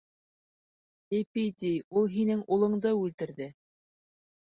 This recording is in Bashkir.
Лепидий, ул һинең улыңды үлтерҙе.